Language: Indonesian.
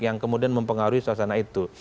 yang kemudian mempengaruhi suasana itu